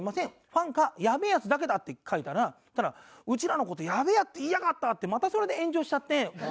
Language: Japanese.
「ファンかやべえヤツだけだ」って書いたらそしたら「うちらの事やべえヤツって言いやがった」ってまたそれで炎上しちゃって。